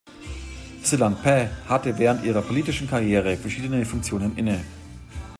Sillanpää hatte während ihrer politischen Karriere verschiedene Funktionen inne.